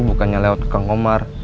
bukannya lewat kang komar